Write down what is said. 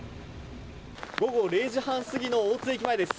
午後０時半過ぎの大津駅前です。